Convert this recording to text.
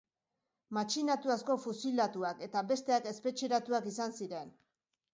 Matxinatu asko fusilatuak eta besteak espetxeratuak izan ziren.